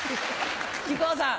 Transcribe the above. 木久扇さん。